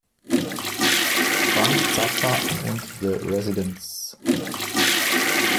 Frank Zappa und The Residents.